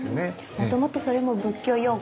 もともとそれも仏教用語なんですか？